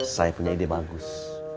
saya punya ide bagus